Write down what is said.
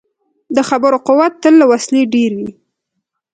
د خبرو قوت تل له وسلې ډېر وي.